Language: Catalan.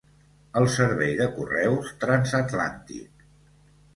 El servei de correus transatlàntic.